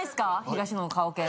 東野の顔犬。